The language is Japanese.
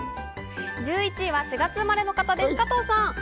１１位は４月生まれの方です、加藤さん。